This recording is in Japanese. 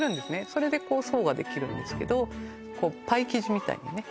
それでこう層ができるんですけどパイ生地みたいにね